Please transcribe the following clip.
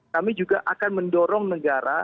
kami juga akan mendorong negara